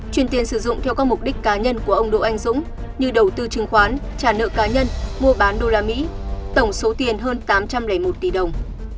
chuyển tiền sử dụng theo các mục đích cá nhân của ông đỗ anh dũng như đầu tư chứng khoán trả nợ cá nhân mua bán đô la mỹ tổng số tiền hơn tám trăm linh một tỷ đồng